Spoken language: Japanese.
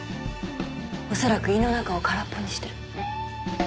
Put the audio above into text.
恐らく胃の中を空っぽにしてる。